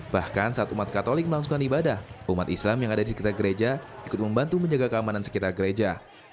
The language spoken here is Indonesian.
bahkan saat umat katolik melangsungkan ibadah umat islam yang ada di sekitar gereja ikut membantu menjaga keamanan sekitar gereja